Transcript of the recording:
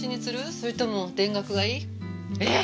それとも田楽がいい？えっ！？